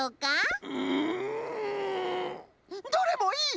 んんどれもいい！